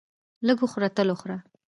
لږ خوره تل خوره!